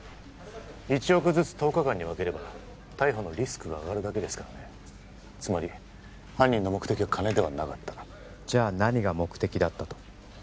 １億ずつ１０日間に分ければ逮捕のリスクが上がるだけですからねつまり犯人の目的は金ではなかったじゃあ何が目的だったと？